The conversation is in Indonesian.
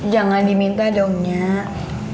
jangan diminta dong nyak